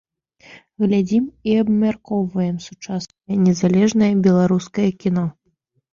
Глядзім і абмяркоўваем сучаснае незалежнае беларускае кіно.